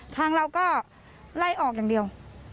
ทางเราก็ไล่ออกอย่างเดียว